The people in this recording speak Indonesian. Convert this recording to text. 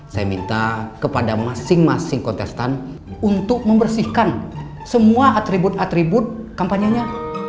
saya minta kepada masing masing kontestan untuk membersihkan semua atribut atribut kampanyenya